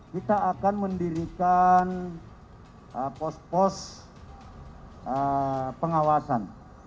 kita akan mendirikan pos pos pengawasan